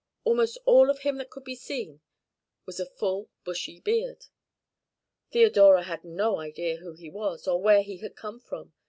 Almost all of him that could be seen was a full bushy beard. Theodora had no idea who he was, or where he had come from.